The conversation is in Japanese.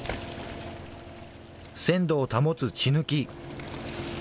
鮮度を保つ血抜き。